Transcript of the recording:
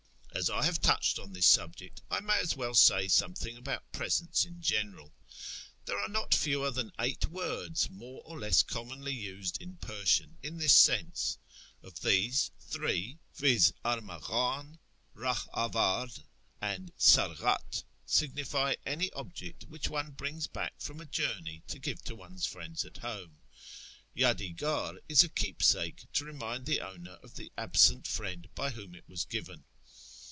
As I have touched on this subject, I may as well say something about presents in general. There are not fewer than eight words more or less commonly used in Persian 68 A YEAR AMONGST THE PERSIANS in this sense. Of these, tliree, viz. armwjhdn, rah dvard, ami fiduyhiU, signify any object which one brings back from a jour ney to give to one's friends at home. YddifjAr is a keepsake, to remind the owner of the absent friend by whom it was given.